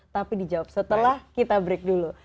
tapi dijawab setelah kita break dulu